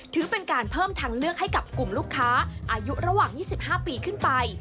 ถือเป็นการเพิ่มทางเลือกให้กับกลุ่มลูกค้าอายุระหว่าง๒๕ปีขึ้นไป